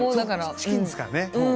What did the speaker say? チキンですからね。